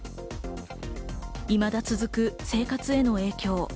いまだ続く生活への影響。